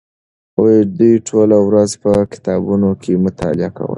دوی ټوله ورځ په کتابتون کې مطالعه کوله.